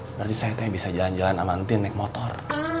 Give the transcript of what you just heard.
berarti saya kayak bisa jalan jalan sama antin naik motor